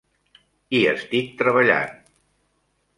Hi estic treballant.